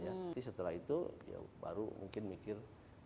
jadi setelah itu ya baru mungkin mikir dua ribu dua puluh empat